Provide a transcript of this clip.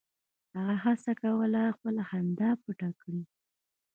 هغه هڅه کوله خپله خندا پټه کړي